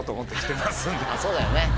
そうだよね。